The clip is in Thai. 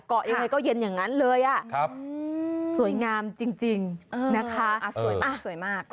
เกาะยังไงก็เย็นอย่างนั้นเลยอ่ะครับสวยงามจริงนะคะสวยมาก